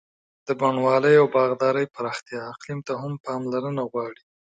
د بڼوالۍ او باغدارۍ پراختیا اقلیم ته هم پاملرنه غواړي.